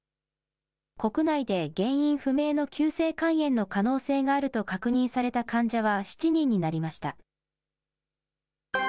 国内で原因不明の急性肝炎の可能性があると確認された患者は７人になりました。